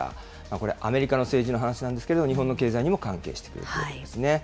これ、アメリカの政治の話なんですけれども、日本の経済にも関係してくるということですね。